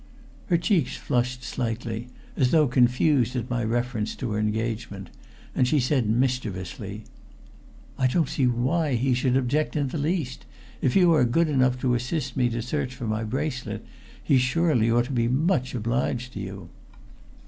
Her cheeks flushed slightly, as though confused at my reference to her engagement, and she said mischievously: "I don't see why he should object in the least. If you are good enough to assist me to search for my bracelet, he surely ought to be much obliged to you."